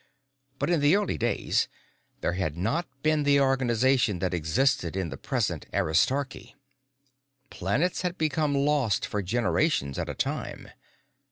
But in the early days there had not been the organization that existed in the present Aristarchy; planets had become lost for generations at a time.